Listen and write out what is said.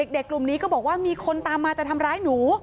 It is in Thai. เด็กกลุ่มนี้ก็บอกว่ามีคนตามมาจะทำร้ายหนู